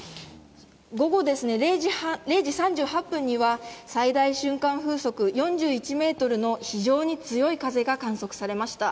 午後０時３８分には、最大瞬間風速４１メートルの非常に強い風が観測されました。